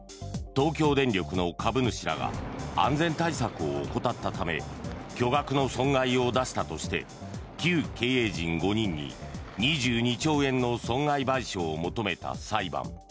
東京電力の株主らが安全対策を怠ったため巨額の損害を出したとして旧経営陣５人に２２兆円の損害賠償を求めた裁判。